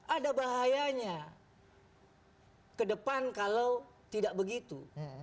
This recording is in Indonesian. ada bahayanya ke depan kalau tidak begitu